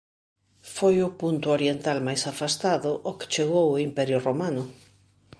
Foi o punto oriental máis afastado ao que chegou o Imperio romano.